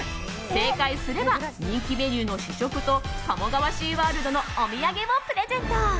正解すれば人気メニューの試食と鴨川シーワールドのお土産をプレゼント。